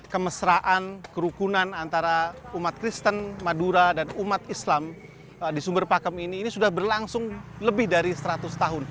kemesraan kerukunan antara umat kristen madura dan umat islam di sumber pakem ini ini sudah berlangsung lebih dari seratus tahun